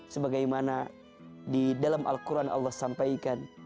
sebagaimana di dalam al quran allah sampaikan